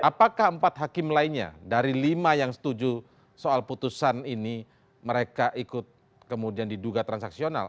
apakah empat hakim lainnya dari lima yang setuju soal putusan ini mereka ikut kemudian diduga transaksional